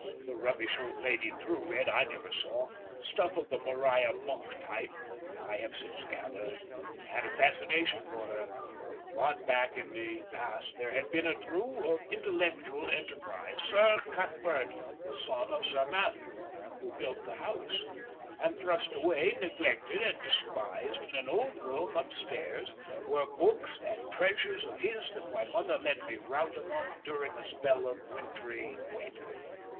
The rubbish old Lady Drew read I never saw; stuff of the Maria Monk type, I have since gathered, had a fascination for her; but back in the past there had been a Drew of intellectual enterprise, Sir Cuthbert, the son of Sir Matthew who built the house; and thrust away, neglected and despised, in an old room upstairs, were books and treasures of his that my mother let me rout among during a spell of wintry wet.